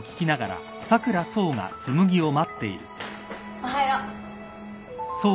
おはよう。